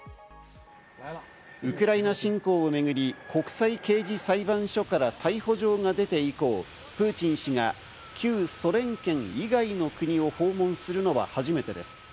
ウクライナ侵攻を巡り、国際刑事裁判所から逮捕状が出て以降、プーチン氏が旧ソ連圏以外の国を訪問するのは初めてです。